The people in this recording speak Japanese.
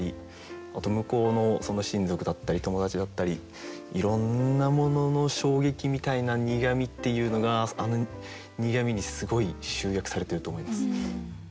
あと向こうの親族だったり友達だったりいろんなものの衝撃みたいな苦味っていうのがあの「苦味」にすごい集約されてると思います。